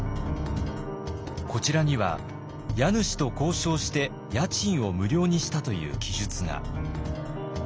こちらには家主と交渉して家賃を無料にしたという記述が。